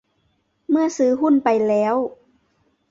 เมื่อซื้อหุ้นไปแล้ว